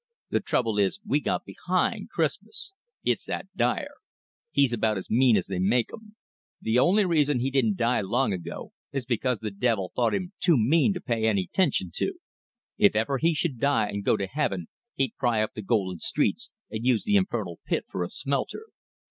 The trouble is we got behind Christmas. It's that Dyer. He's about as mean as they make 'em. The only reason he didn't die long ago is becuz th' Devil's thought him too mean to pay any 'tention to. If ever he should die an' go to Heaven he'd pry up th' golden streets an' use the infernal pit for a smelter."